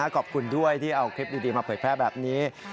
ขอบคุณด้วยที่เอาคลิปดีมาเผยแพร่แบบนี้